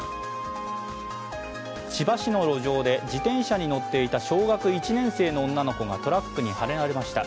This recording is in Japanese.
千葉市の路上で自転車に乗っていた小学１年生の女の子がトラックにはねられました。